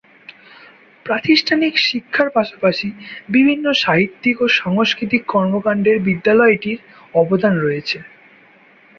প্রাতিষ্ঠানিক শিক্ষার পাশাপাশি বিভিন্ন সাহিত্যিক ও সাংস্কৃতিক কর্মকান্ডের বিদ্যালয়টির অবদান রয়েছে।